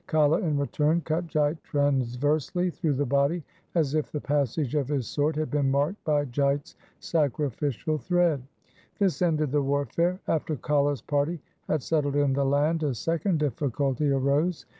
Kala in return cut Jait transversely through the body, as if the passage of his sword had been marked by J ait's sacrificial thread. This ended the warfare. After Kala's party had settled in the land a second difficulty arose.